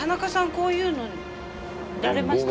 こういうのやれました？